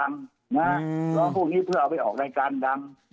ร้องพวกนี้เพื่อเอาไปออกรายการดัง